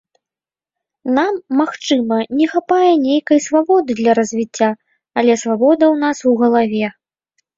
Нам, магчыма, не хапае нейкай свабоды для развіцця, але свабода ў нас у галаве.